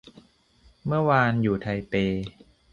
เมื่อวานอยู่ไทเป